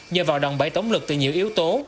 nhờ vào đòn bẫy tống lực từ nhiều yếu tố